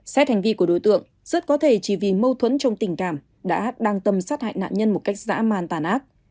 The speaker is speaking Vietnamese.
xét hành vi của đối tượng rất có thể chỉ vì mâu thuẫn trong tình cảm đã đang tâm sát hại nạn nhân một cách dã man tàn ác